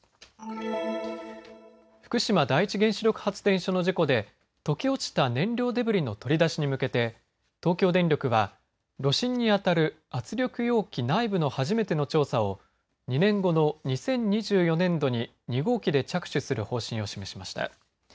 福島第一原子力発電所の事故で溶け落ちた燃料デブリの取り出しに向けて東京電力は、炉心にあたる圧力容器内部の初めての調査を２年後の２０２４年度に２号機で着手する方針を示しました。